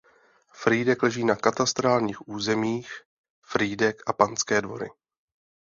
Frýdek leží na katastrálních územích Frýdek a Panské Nové Dvory.